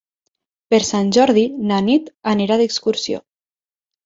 Per Sant Jordi na Nit anirà d'excursió.